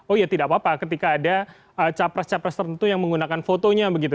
oh ya tidak apa apa ketika ada capres capres tertentu yang menggunakan fotonya begitu